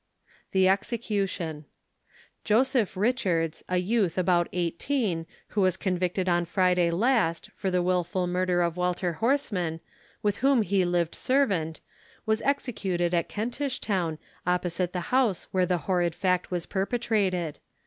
THE EXECUTION. Joseph Richards, a youth about eighteen, who was convicted on Friday last, for the wilful murder of Walter Horseman, with whom he lived servant, was executed at Kentish Town, opposite the house where the horrid fact was perpetrated.